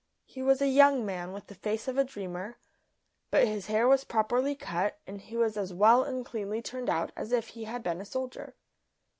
He was a young man with the face of a dreamer, but his hair was properly cut and he was as well and cleanly turned out as if he had been a soldier.